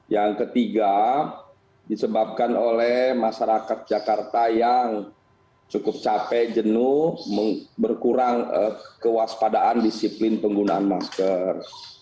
yang ketiga disebabkan oleh masyarakat jakarta yang cukup capek jenuh berkurang kewaspadaan disiplin penggunaan masker